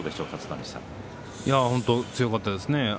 本当に強かったですね。